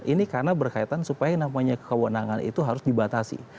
ini karena berkaitan supaya namanya kekewenangan itu harus dibatasi